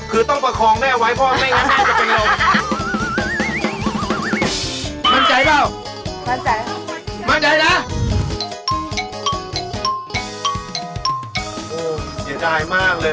คือต้องประคองแม่ไว้พ่อไม่งั้นแม่จะเป็นลม